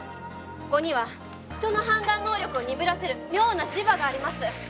ここには人の判断能力を鈍らせる妙な磁場があります。